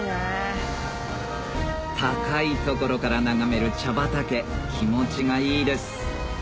高い所から眺める茶畑気持ちがいいです